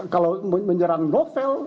kalau menyerang novel